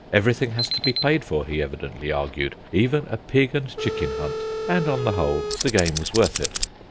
Everything has to be paid for, he evidently argued, even a pig and chicken hunt; and, on the whole, the game was worth it.